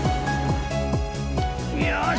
よし！